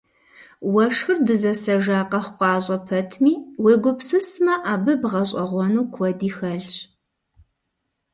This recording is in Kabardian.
Уэшхыр дызэсэжа къэхъукъащӏэ пэтми, уегупсысмэ, абы бгъэщӏэгъуэну куэди хэлъщ.